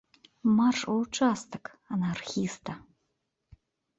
Марш ў участак, анархіста!